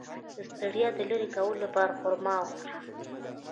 د ستړیا د لرې کولو لپاره خرما وخورئ